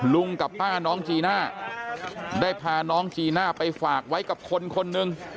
ลุงกับป้าน้องจีน่าได้พาน้องจีน่าไปฝากไว้กับคนคนหนึ่ง